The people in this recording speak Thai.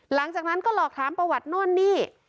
หลังจากนั้นก็หลอกถามประวัติโน่นนี่